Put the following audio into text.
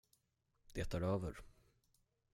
Det är över.